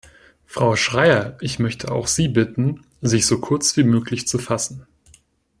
Frau Schreyer, ich möchte auch Sie bitten, sich so kurz wie möglich zu fassen.